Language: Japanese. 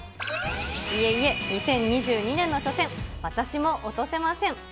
いえいえ、２０２２年の初戦、私も落とせません。